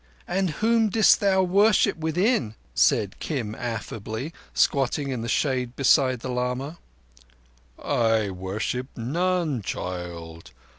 "And whom didst thou worship within?" said Kim affably, squatting in the shade beside the lama. "I worshipped none, child.